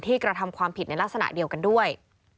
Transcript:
กระทำความผิดในลักษณะเดียวกันด้วย